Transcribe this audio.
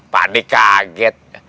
pak deh kaget